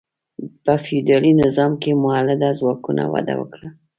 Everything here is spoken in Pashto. په فیوډالي نظام کې مؤلده ځواکونه وده وکړه.